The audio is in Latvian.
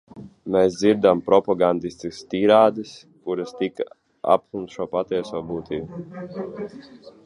Mēs dzirdam propagandistiskas tirādes, kuras tikai aptumšo patieso būtību.